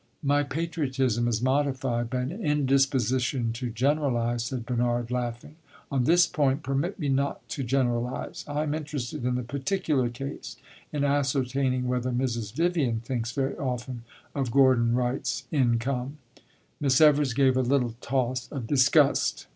"My patriotism is modified by an indisposition to generalize," said Bernard, laughing. "On this point permit me not to generalize. I am interested in the particular case in ascertaining whether Mrs. Vivian thinks very often of Gordon Wright's income." Miss Evers gave a little toss of disgust.